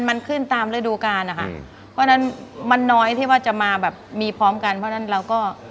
มันขึ้นตามฤดูการนะคะเพราะฉะนั้นมันน้อยที่ว่าจะมาแบบมีพร้อมกันเพราะฉะนั้นเราก็